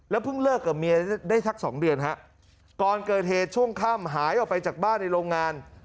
เพิ่งเลิกกับเมียได้สักสองเดือนฮะก่อนเกิดเหตุช่วงค่ำหายออกไปจากบ้านในโรงงาน